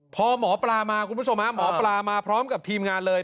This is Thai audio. พอหมอปลามาคุณผู้ชมฮะหมอปลามาพร้อมกับทีมงานเลย